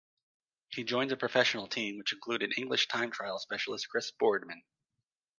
He joined the professional team, which included English time trial specialist Chris Boardman.